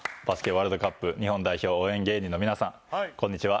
ワールドカップ日本代表応援芸人の皆さんこんにちは。